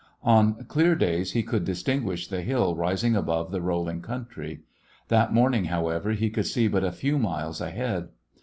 On clear days he could distinguish the hill rising above the rolling country. That morning, however, he could see but a few miles ahead.